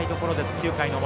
９回の表。